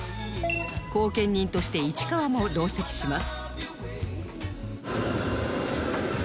後見人として市川も同席します